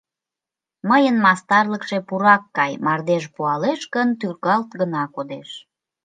Мыйын мастарлыкше пурак гай: мардеж пуалеш гын, тӱргалт гына кодеш.